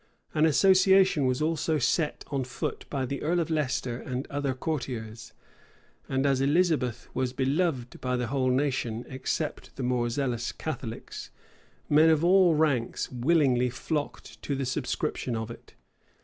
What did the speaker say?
An association was also set on foot by the earl of Leicester and other courtiers; and as Elizabeth was beloved by the whole nation, except the more zealous Catholics, men of all ranks willingly flocked to the subscription of it.